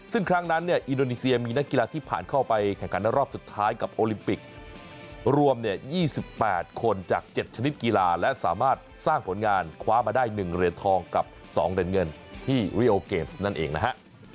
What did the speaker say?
ซึ่งครั้งนั้นเนี่ยอินโดนีเซียมีนักกีฬาที่ผ่านเข้าไปแข่งขันรอบสุดท้ายกับโอลิมปิกรวม๒๘คนจาก๗ชนิดกีฬาและสามารถสร้างผลงานคว้ามาได้๑เหรียญทองกับ๒เหรียญเงินที่ริโอเกมส์นั่นเองนะฮะ